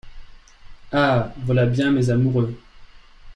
Ah ! voilà bien mes amoureux !